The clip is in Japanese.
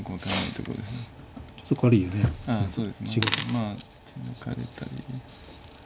まあ手抜かれたり。